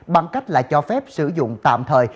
bằng cách là cho phép sử dụng tạm thời